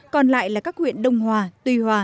còn lại là các huyện đông hòa tuy hòa